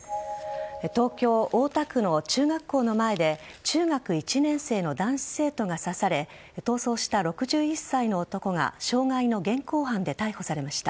東京・大田区の中学校の前で中学１年生の男子生徒が刺され逃走した６１歳の男が傷害の現行犯で逮捕されました。